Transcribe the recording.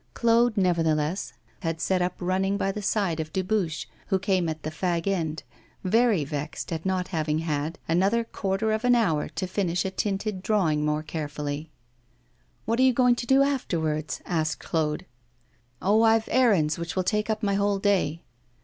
Claude, nevertheless, had set up running by the side of Dubuche, who came at the fag end, very vexed at not having had another quarter of an hour to finish a tinted drawing more carefully. 'What are you going to do afterwards?' asked Claude. 'Oh! I've errands which will take up my whole day.